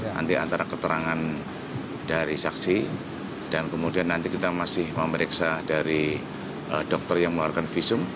nanti antara keterangan dari saksi dan kemudian nanti kita masih memeriksa dari dokter yang mengeluarkan visum